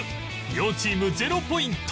両チーム０ポイント